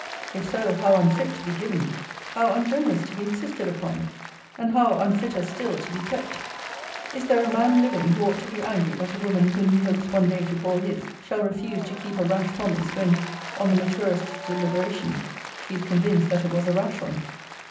If so, how unfit to be given! how ungenerous to be insisted upon! And how unfitter still to be kept! Is there a man living who ought to be angry that a woman whom he hopes one day to call his, shall refuse to keep a rash promise, when, on the maturest deliberation, she is convinced that it was a rash one?